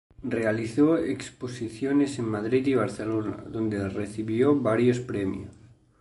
Realizó exposiciones en Madrid y Barcelona, donde recibió varios premios.